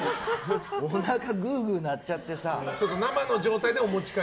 おなかグーグー鳴っちゃってさ。